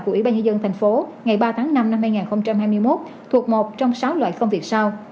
của ủy ban nhân dân thành phố ngày ba tháng năm năm hai nghìn hai mươi một thuộc một trong sáu loại công việc sau